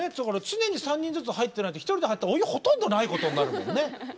常に３人ずつ入ってないと１人で入ったらお湯ほとんどないことになるもんね。